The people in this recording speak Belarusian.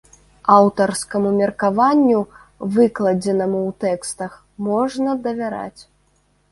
Аўтарскаму меркаванню, выкладзенаму ў тэкстах, можна давяраць.